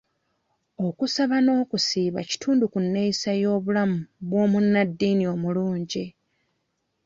Okusaba n'okusiiba kitundu ku neeyisa y'obulamu bw'omunnaddiini omulungi.